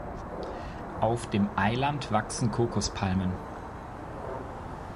Auf dem Eiland wachsen Kokospalmen.